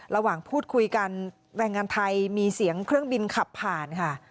ระหว่างพูดคุยกันแรงงานไทยมีเสียงเครื่องบินขับผ่านค่ะ